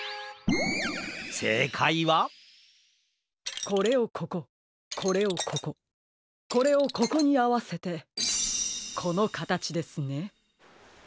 せいかいはこれをこここれをこここれをここにあわせてこのかたちですね。